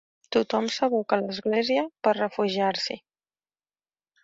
Tothom s'abocà a l'església per refugiar-s'hi.